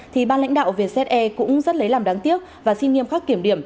thì ban lãnh đạo vse cũng rất lấy làm đáng tiếc và xin nghiêm khắc kiểm điểm